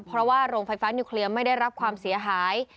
เพราะว่าโรงไฟฟ้านิวเคลียร์ไม่ได้รับความเสียหาย